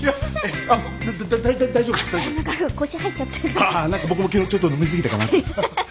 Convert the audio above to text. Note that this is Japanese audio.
ああ何か僕も昨日ちょっと飲み過ぎたかな。